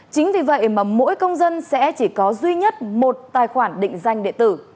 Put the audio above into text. chính vì vậy mà mỗi công dân sẽ chỉ có duy nhất một tài khoản định danh điện tử